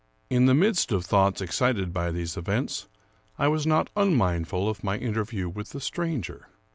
In the midst of thoughts excited by these events, I was not unmindful of my interview with the stranger.